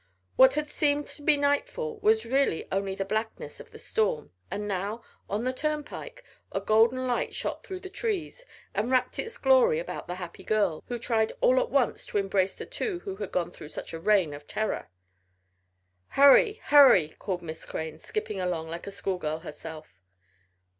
What had seemed to be nightfall was really only the blackness of the storm, and now, on the turnpike, a golden light shot through the trees, and wrapt its glory about the happy girls, who tried all at once to embrace the two who had gone through such a reign of terror. "Hurry! Hurry!" called Miss Crane, skipping along like a schoolgirl herself.